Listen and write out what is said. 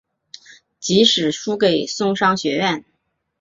即使输给松商学园。